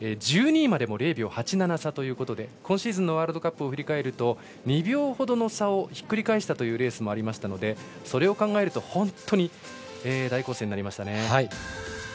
１２位までも０秒８７差ということで今シーズンのワールドカップを振り返ると２秒ほどの差をひっくり返したレースもありますのでそれを考えると本当に大混戦になりましたね。